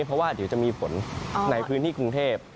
เพราะว่าเดี๋ยวจะมีฝนในพื้นที่กรุงเทพ